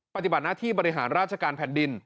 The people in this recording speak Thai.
ปฏิบัติหน้าที่บริหารราชการแผ่นดิน